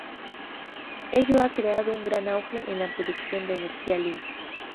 Ello ha creado un gran auge en la producción de energía limpia.